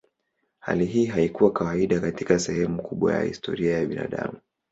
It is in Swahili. Hali hii haikuwa kawaida katika sehemu kubwa ya historia ya binadamu.